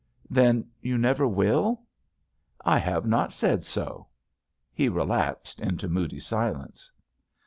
"Then, you never will?" "I have not said so." He relapsed into moody silence.